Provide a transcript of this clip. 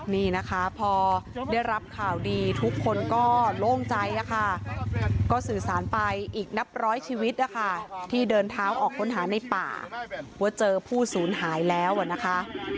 นี่นะคะพอได้รับข่าวดีทุกคนก็โล่งใจค่ะก็สื่อสารไปอีกนับร้อยชีวิตนะคะที่เดินเท้าออกค้นหาในป่าว่าเจอผู้สูญหายแล้วนะคะ